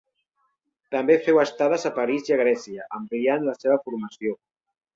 També féu estades a París i a Grècia, ampliant la seva formació.